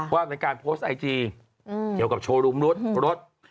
ว่าเป็นการโพสต์ไอจีเกี่ยวกับโชว์รูมรถรถ